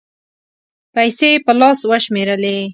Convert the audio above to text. پېسې یې په لاس و شمېرلې